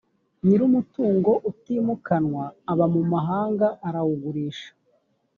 nyir umutungo utimukanwa uba mu mahanga arawugurisha